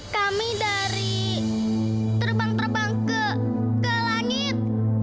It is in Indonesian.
kami dari terbang terbang ke langit